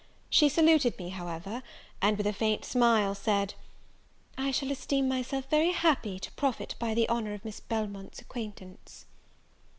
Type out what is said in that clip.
She saluted me, however; and, with a faint smile said, "I shall esteem myself very happy to profit by the honour of Miss Belmont's acquaintance."